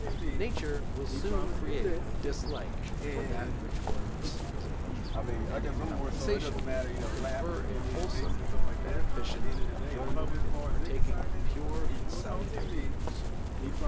Nature will soon create a dislike for that which once was a pleasure, and in compensation will confer a wholesome and beneficent enjoyment in the partaking of pure and salutary foods.